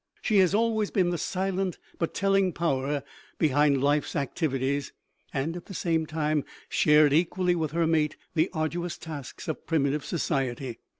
She has always been the silent but telling power behind life's activities, and at the same time shared equally with her mate the arduous duties of primitive society.